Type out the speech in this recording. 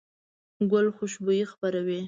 ګل خوشبويي خپروي.